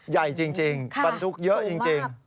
ใหญ่จริงบรรทุกเยอะจริง